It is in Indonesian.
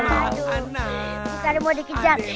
bukan mau dikejar